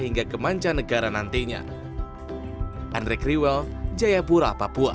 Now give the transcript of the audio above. hingga kemancah negara nantinya